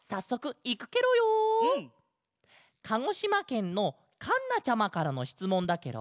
かごしまけんのかんなちゃまからのしつもんだケロ。